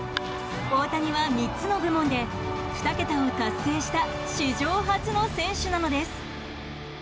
大谷は３つの部門で２桁を達成した史上初の選手なのです。